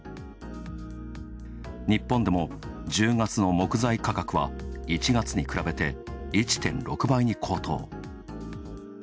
日本でも１０月の木材価格は１月に比べて１．６倍に高騰。